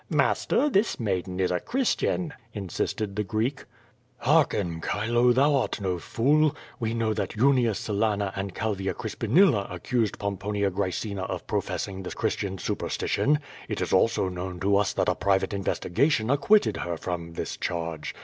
"Master, this maiden is a Christian," insisted the Greek. Hearken, Chilo, thou art no fool. We know that Unia Sylana and Calvia Crispinilla accused Pomponia Graecina of professing the Christian superstition. It is also known to us that a private investigation acquitted her from this charge.